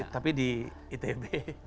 tapi di itb